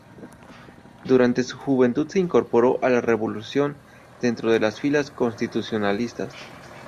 Durante su juventud se incorporó a la Revolución, dentro de las filas constitucionalistas.